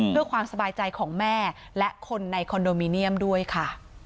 เพื่อความสบายใจของแม่และคนในคอนโดมิเนียมด้วยค่ะ